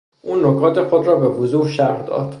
او نکات خود را به وضوح شرح داد.